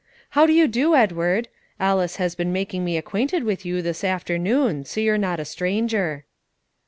"How do you do, Edward? Alice has been making me acquainted with you this afternoon, so you're not a stranger."